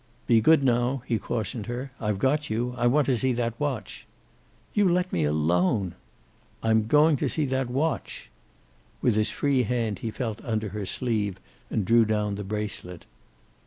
"Be good, now," he cautioned her. "I've got you. I want to see that watch." "You let me alone." "I'm going to see that watch." With his free hand he felt under her sleeve and drew down the bracelet.